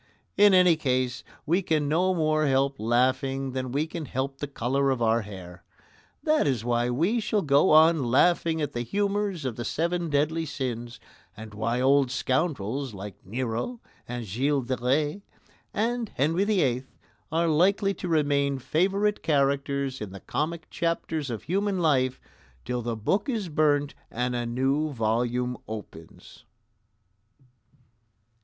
In any case, we can no more help laughing than we can help the colour of our hair. That is why we shall go on laughing at the humours of the seven deadly sins, and why old scoundrels like Nero and Gilles de Retz and Henry VIII are likely to remain favourite characters in the comic chapters of human life till the book is burnt and a new volume opens.